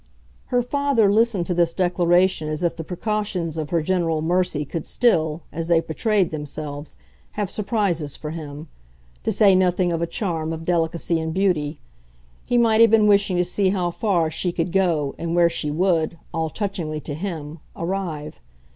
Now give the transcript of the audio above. Her father listened to this declaration as if the precautions of her general mercy could still, as they betrayed themselves, have surprises for him to say nothing of a charm of delicacy and beauty; he might have been wishing to see how far she could go and where she would, all touchingly to him, arrive.